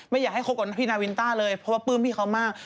ไม่อยากให้คบกับพี่นาวินต้าเลยเพราะว่าปลื้มพี่เขามาก